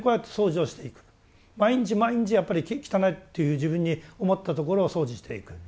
毎日毎日やっぱり汚いって自分に思ったところを掃除していく。